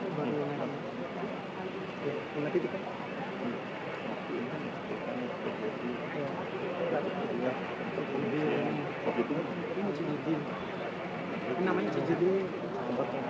dan untuk update data gempa cianjur pada tanggal dua puluh tiga november dua ribu dua puluh dua